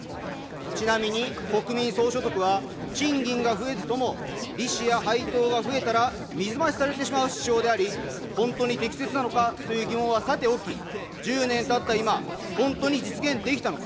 ちなみに、国民総所得は賃金が増えずとも、利子や配当が増えたら、水増しされてしまう主張であり、本当に適切なのかという疑問はさておき、１０年たった今、本当に実現できたのか。